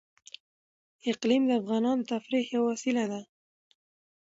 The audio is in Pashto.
اقلیم د افغانانو د تفریح یوه وسیله ده.